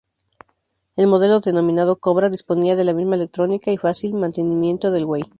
El modelo denominado Cobra, disponía de la misma electrónica y fácil mantenimiento del Huey.